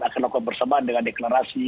akan dilakukan bersamaan dengan deklarasi